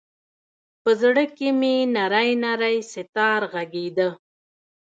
په زړه کې مــــــې نـــری نـــری ستار غـــــږیده